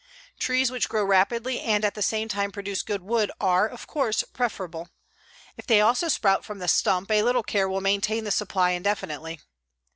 Trees which grow rapidly and at the same time produce good wood are, of course, preferable. If they also sprout from the stump, a little care will maintain the supply indefinitely.